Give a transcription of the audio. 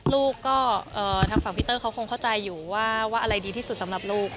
ลูกก็ทางฝั่งพี่เตอร์เขาคงเข้าใจอยู่ว่าอะไรดีที่สุดสำหรับลูก